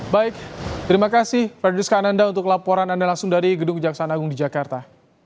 baik terima kasih fredris kananda untuk laporan anda langsung dari gedung kejaksaan agung di jakarta